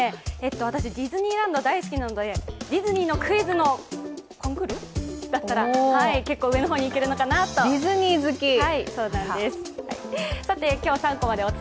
私、ディズニーランド大好きなのでディズニーのクイズのコンクールだったら、結構上の方にいけるんじゃないのかなと。